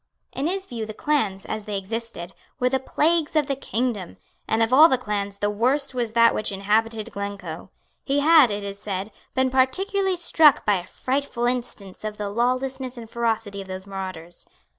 In his view the clans, as they existed, were the plagues of the kingdom; and of all the clans, the worst was that which inhabited Glencoe. He had, it is said, been particularly struck by a frightful instance of the lawlessness and ferocity of those marauders.